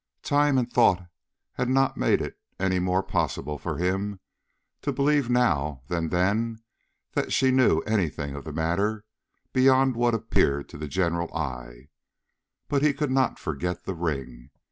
Time and thought had not made it any more possible for him to believe now than then that she knew any thing of the matter beyond what appeared to the general eye: but he could not forget the ring.